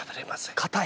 硬い。